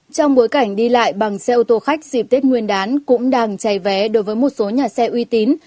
trong bối cảnh đi lại bằng xe ô tô khách dịp tết nguyên đán cũng đang chảy vé đối với một số nhà xe uy tín